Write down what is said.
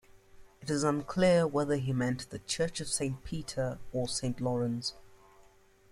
It is unclear whether he meant the Church of Saint Peter or Saint Lorenz.